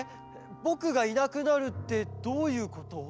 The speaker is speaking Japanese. ぼくがいなくなるってどういうこと？